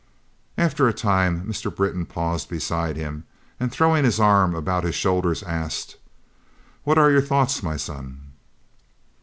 After a time Mr. Britton paused beside him, and, throwing his arm about his shoulders, asked, "What are your thoughts, my son?"